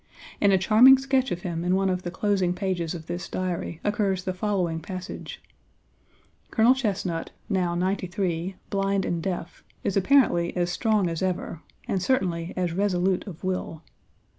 In a charming sketch of him in one of the closing pages of this Diary, occurs the following passage: "Colonel Chesnut, now ninety three, blind and deaf, is apparently as strong as ever, and certainly as resolute of will.